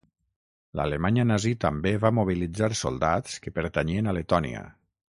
L'Alemanya nazi també va mobilitzar soldats que pertanyien a Letònia.